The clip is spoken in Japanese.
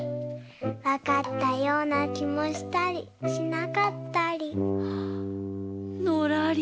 わかったようなきもしたりしなかったり。